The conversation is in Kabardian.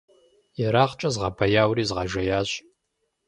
Ерагъкӏэ згъэбэяури згъэжеящ.